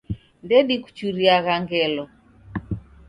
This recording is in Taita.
Ndedikuchuriagha ngelo.